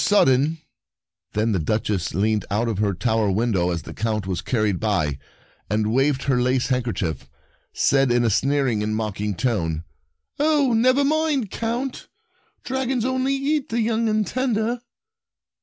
58 The Prince Her Taunt He is Helpless Then the Duchess leaned out of her tower window as the Count was carried by, and wav ing her lace handkerchief, said in a sneering and mocking tone : "Oh, never mind, Count. Dragons only eat the young and tender!"